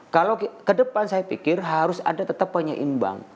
kalau ke depan saya pikir harus ada tetap penyeimbang